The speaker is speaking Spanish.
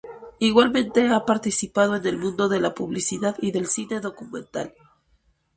Igualmente ha participado en el mundo de la publicidad y del cine documental.